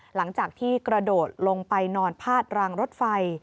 หลังจากที่กระโดดลงไปนอนพาดรางรถไฟ